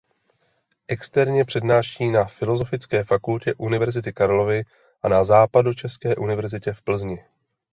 Externě přednáší na Filozofické fakultě Univerzity Karlovy a na Západočeské univerzitě v Plzni.